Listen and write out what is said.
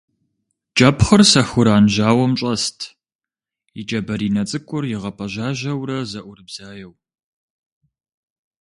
КӀэпхъыр сэхуран жьауэм щӀэст, и кӀэ баринэ цӀыкӀур игъэпӀэжьажьэурэ зэӀурыбзаеу.